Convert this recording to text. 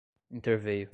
interveio